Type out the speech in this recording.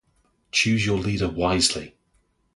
Choose your leader wisely!